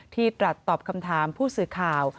ตรัสตอบคำถามผู้สื่อข่าว